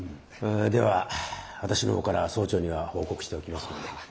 えでは私の方から総長には報告しておきますので。